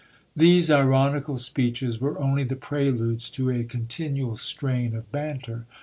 These ironical speeches were only the preludes to a continual strain of banter.